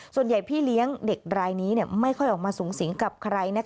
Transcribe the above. พี่เลี้ยงเด็กรายนี้ไม่ค่อยออกมาสูงสิงกับใคร